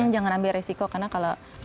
jangan ambil resiko karena kalau